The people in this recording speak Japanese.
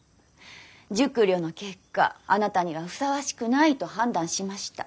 熟慮の結果あなたにはふさわしくないと判断しました。